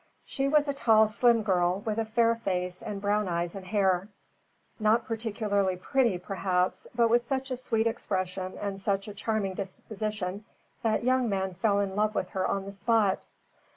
She was a tall, slim girl with a fair face and brown eyes and hair. Not particularly pretty, perhaps, but with such a sweet expression and such a charming disposition that young men fell in love with her on the spot.